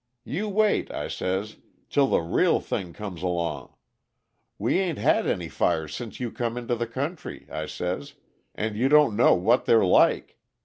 'You wait,' I says, 'till the real thing comes along. We ain't had any fires since you come into the country,' I says, 'and you don't know what they're like.